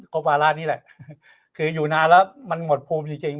โครปวาร่านี่แหละคืออยู่นานแล้วมันหมดภูมิจริงจริง